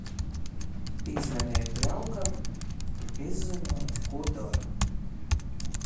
Pīzvaneju draugam, izzynuot kū dora...